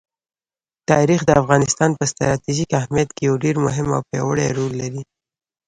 تاریخ د افغانستان په ستراتیژیک اهمیت کې یو ډېر مهم او پیاوړی رول لري.